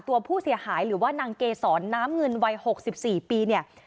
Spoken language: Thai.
ตัวผู้เสียหายหรือว่านางเกษรน้ำเงินวัย๖๔ปีเนี่ย